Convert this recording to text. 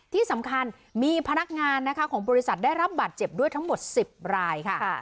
ที่สำคัญมีพนักงานนะคะของบริษัทได้รับบาดเจ็บด้วยทั้งหมด๑๐รายค่ะ